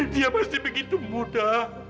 dia masih begitu muda